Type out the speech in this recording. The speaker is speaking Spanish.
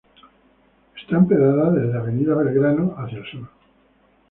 Es empedrada desde Avenida Belgrano hacia el sur.